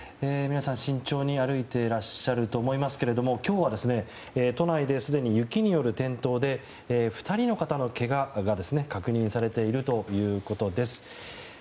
皆さん慎重に歩いていらっしゃると思いますけども今日は都内ですでに雪による転倒で２人の方のけがが確認されているということです。